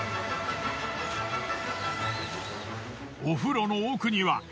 お風呂の奥には。